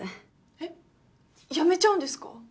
えっ辞めちゃうんですか？